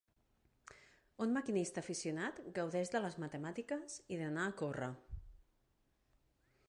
Un maquinista aficionat gaudeix de les matemàtiques i d'anar a córrer.